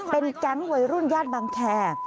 เป็นกั้นวัยรุ่นยาศบางแค